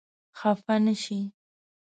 خپه نه شې.